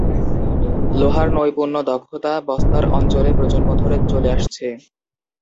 লোহার নৈপুণ্য দক্ষতা বস্তার অঞ্চলে প্রজন্ম ধরে চলে আসছে।